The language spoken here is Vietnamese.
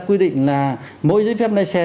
quy định là mỗi giấy phép lái xe